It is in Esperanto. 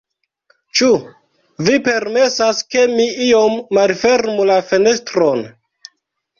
Ĉu vi permesas, ke mi iom malfermu la fenestron?